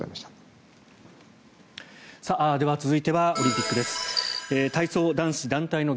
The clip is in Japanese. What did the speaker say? では続いてはオリンピックです。